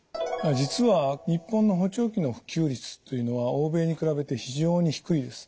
実は日本の補聴器の普及率というのは欧米に比べて非常に低いです。